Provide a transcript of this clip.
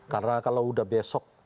karena kalau udah besok